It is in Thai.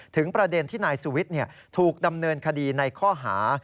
ประเด็นที่นายสุวิทย์ถูกดำเนินคดีในข้อหา